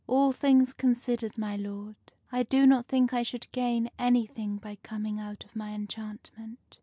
All things considered, my lord, I do not think I should gain anything by coming out of my enchantment.